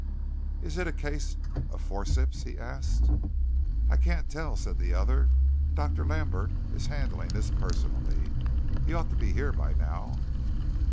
"Is it a case of forceps?" he asked. "I can't tell," said the other. "Dr. Lambert is handling this personally. He ought to be here by now."